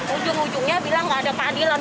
ujung ujungnya bilang nggak ada keadilan